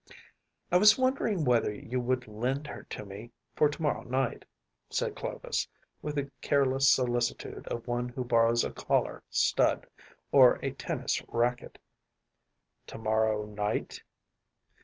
‚ÄĚ “I was wondering whether you would lend her to me for to morrow night,‚ÄĚ said Clovis, with the careless solicitude of one who borrows a collar stud or a tennis racquet. “To morrow night?